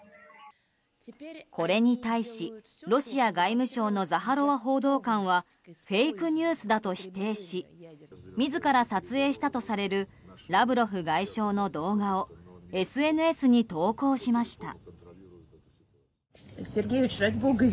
これに対し、ロシア外務省のザハロワ報道官はフェイクニュースだと否定し自ら撮影したとされるラブロフ外相の動画をＳＮＳに投稿しました。